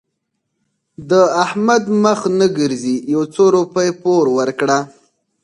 د احمد مخ نه ګرځي؛ يو څو روپۍ پور ورکړه.